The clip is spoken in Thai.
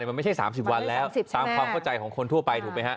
มันไม่ใช่๓๐วันแล้วตามความเข้าใจของคนทั่วไปถูกไหมฮะ